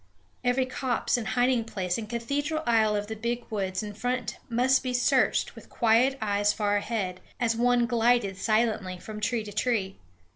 Every copse and hiding place and cathedral aisle of the big woods in front must be searched with quiet eyes far ahead, as one glided silently from tree to tree.